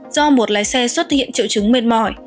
do một lái xe xuất hiện triệu chứng mệt mỏi